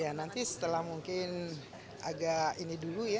ya nanti setelah mungkin agak ini dulu ya